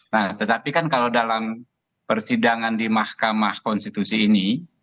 nah tetapi kan kalau dalam persidangan di mahkamah konstitusi ini